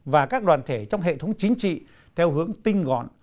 và các đoàn thể trong hệ thống chính trị theo hướng tinh gọn